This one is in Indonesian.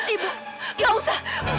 ibu gak usah